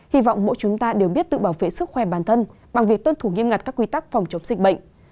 hy vọng mỗi chúng ta đều biết tự bảo vệ sức khỏe bản thân bằng việc tuân thủ nghiêm ngặt các quy tắc phòng chống dịch bệnh